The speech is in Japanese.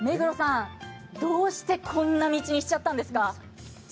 どうしてこんな道にしちゃったんですか？